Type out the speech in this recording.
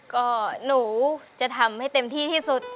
ก็หนูจะทำให้เต็มที่ที่สุด